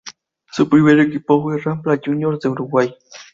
Su primer equipo fue Rampla Juniors de Uruguay.